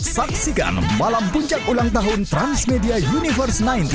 saksikan malam puncak ulang tahun transmedia universe sembilan belas